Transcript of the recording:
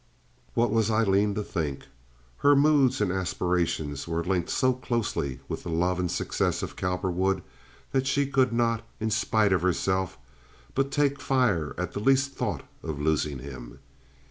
What was Aileen to think? Her moods and aspirations were linked so closely with the love and success of Cowperwood that she could not, in spite of herself, but take fire at the least thought of losing him.